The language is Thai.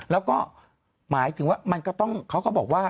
แล้วก็หมายถึงว่ามันก็ต้องเขาก็บอกว่า